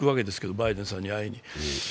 バイデンさんに会いに。